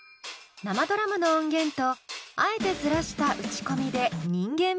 生ドラムの音源とあえてズラした打ち込みで人間味を出す。